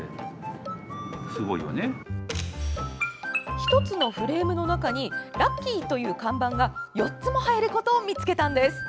１つのフレームの中に「ラッキー」という看板が４つも入ることを見つけたんです。